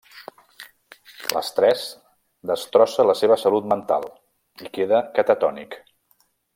L'estrès destrossa la seva salut mental, i queda catatònic.